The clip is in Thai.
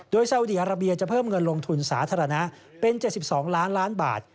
โดยสาวดีอาราเบียจะเพิ่มเงินลงทุนสาธารณะเป็น๗๒ล้านล้านบาท